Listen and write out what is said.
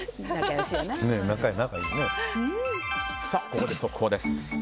ここで速報です。